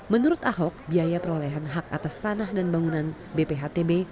menurut ahok biaya perolehan hak atas tanah dan bangunan bphtb